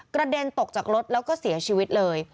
กระเด็นตกจากรถแล้วก็เสียชีวิตเลย